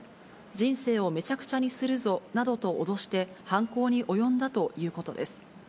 人生をめちゃくちゃにするぞなどと脅して、犯行に及んだということです。